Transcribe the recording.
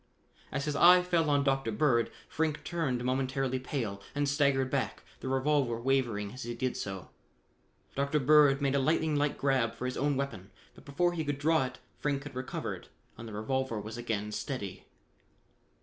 As his eye fell on Dr. Bird, Frink turned momentarily pale and staggered back, the revolver wavering as he did so. Dr. Bird made a lightning like grab for his own weapon, but before he could draw it Frink had recovered and the revolver was again steady.